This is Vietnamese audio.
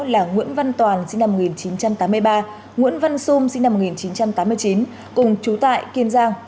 là nguyễn văn toàn sinh năm một nghìn chín trăm tám mươi ba nguyễn văn xung sinh năm một nghìn chín trăm tám mươi chín cùng chú tại kiên giang